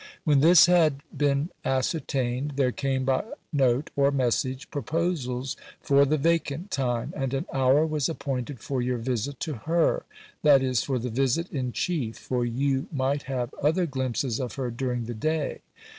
When this had been ascertained there came, by note or message, proposals for the vacant time; and an hour was appointed for your visit to her: that is, for the visit in chief, for you might have other glimpses of her during the day.